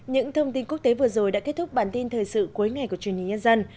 những thông tin quốc tế vừa rồi đã kết thúc bản tin thời sự cuối ngày của truyền hình nhân dân